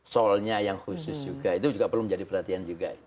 solnya yang khusus juga itu juga perlu menjadi perhatian juga